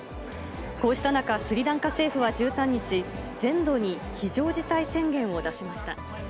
こうした中、スリランカ政府は１３日、全土に非常事態宣言を出しました。